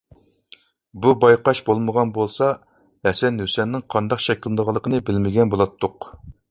بۇ بايقاش بولمىغان بولسا، ھەسەن - ھۈسەننىڭ قانداق شەكىللىنىدىغانلىقىنى بىلمىگەن بولاتتۇق.